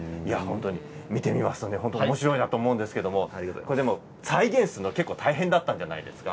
見てみますとおもしろいなと思うんですけど再現するの、大変だったんじゃないですか。